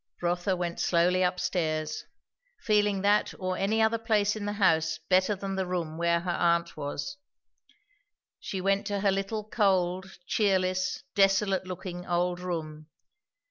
Rotha went slowly up stairs, feeling that or any other place in the house better than the room where her aunt was. She went to her little cold, cheerless, desolate looking, old room.